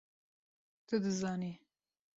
Tu dizanî!